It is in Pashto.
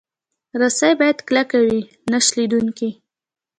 رسۍ باید کلکه وي، نه شلېدونکې.